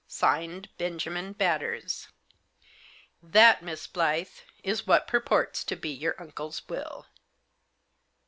"< Signed, BENJAMIN BATTERS.' " "That, Miss Blyth, is what purports to be your uncle's will."